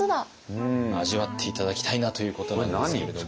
味わって頂きたいなということなんですけれども。